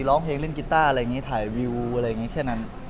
ร้องเพลงเล่นกีต้าอะไรอย่างนี้ถ่ายวิวอะไรอย่างนี้แค่นั้น